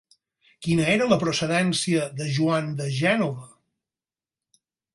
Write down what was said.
Quina era la procedència de Joan de Gènova?